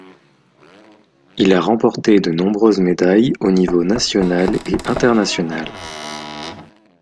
Il a remporté de nombreuses médailles au niveau national et international.